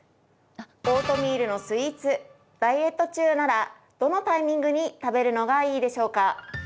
オートミールのスイーツダイエット中ならどのタイミングに食べるのがいいでしょうか？